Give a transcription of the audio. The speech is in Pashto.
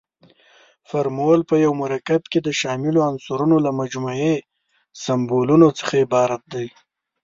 فورمول په یو مرکب کې د شاملو عنصرونو له مجموعي سمبولونو څخه عبارت دی.